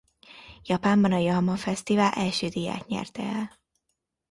Japánban a Yamaha Fesztivál első díját nyerte el.